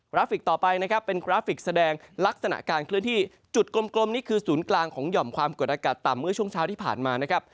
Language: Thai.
ราฟิกต่อไปนะครับเป็นกราฟิกแสดงลักษณะการเคลื่อนที่จุดกลมนี่คือศูนย์กลางของหย่อมความกดอากาศต่ำเมื่อช่วงเช้าที่ผ่านมานะครับ